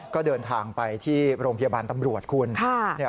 ก็เดินทางไปที่โรงพยาบาลตำรวจคุณ